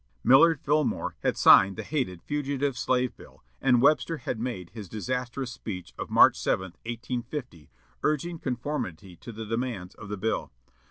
Millard Fillmore had signed the hated Fugitive Slave Bill, and Webster had made his disastrous speech of March 7, 1850, urging conformity to the demands of the bill.